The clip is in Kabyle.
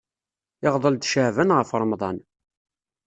Iɣḍel-d Caɛban ɣef Ṛemḍan.